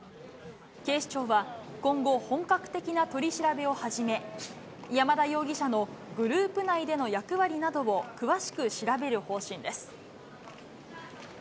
警視庁は、今後、本格的な取り調べを始め、山田容疑者のグループ内での役割などを詳しく調べる方針です。